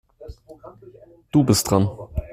Du bist dran.